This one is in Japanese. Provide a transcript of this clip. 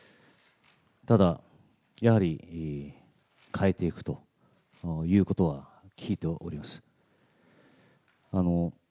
ただ、やはり変えていくということは聞いております。